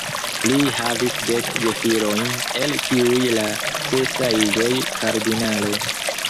Li havis dek gefilojn, el kiuj la sesa iĝos kardinalo.